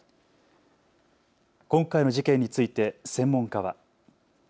今回の事件について専門家は。